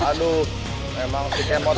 aduh memang si kemo itu